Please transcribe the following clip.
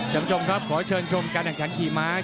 จมชมครับขอเชิญชมการหยังขานคี่ม้า